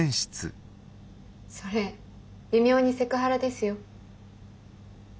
それ微妙にセクハラですよ。